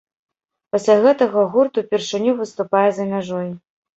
Пасля гэтага гурт упершыню выступае за мяжой.